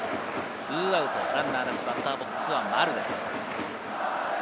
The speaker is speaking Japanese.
２アウトランナーなし、バッターボックスは丸です。